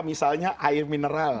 misalnya air mineral